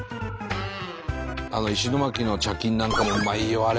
あの石巻のちゃきんなんかもうまいよあれ。